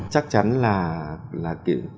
chắc chắn là